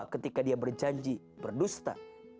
ketika berjanji berdusta